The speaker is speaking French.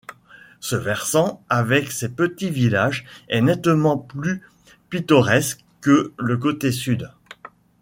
Ce versant, avec ses petits villages, est nettement plus pittoresque que le côté sud.